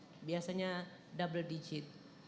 jadi biasanya double digit